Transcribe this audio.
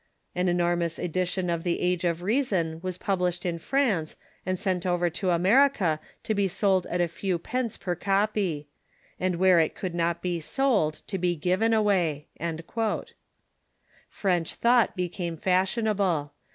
An enor mous edition of the ' Age of Reason ' was published in France and sent over to America to be sold at a few pence per copy ; and where it could not be sold, to be given away." French tliought became fashionable.